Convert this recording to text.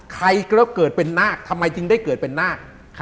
ใครก็เกิดเป็นนาคทำไมจึงได้เกิดเป็นนาค